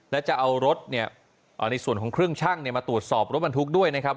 และจะเอารถในส่วนของเครื่องชั่งมาตรวจสอบรถบรรทุกด้วยนะครับ